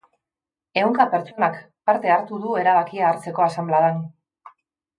Ehunka pertsonak parte hartu du erabakia hartzeko asanbladan.